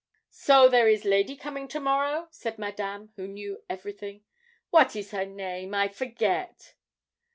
'So, there is lady coming to morrow?' said Madame, who knew everything. 'Wat is her name? I forget.'